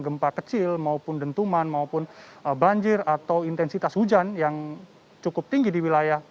gempa kecil maupun dentuman maupun banjir atau intensitas hujan yang cukup tinggi di wilayah